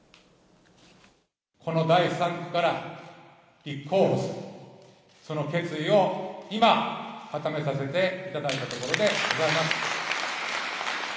この第３区から立候補する、その決意を今、固めさせていただいたところでございます。